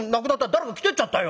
誰か着ていっちゃったよ。